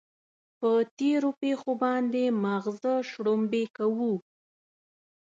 پر تېرو پېښو باندې ماغزه شړومبې کوو.